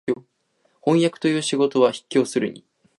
飜訳という仕事は畢竟するに、